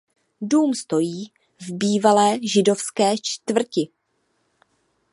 Dům stojí v bývalé židovské čtvrti.